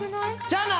じゃあな！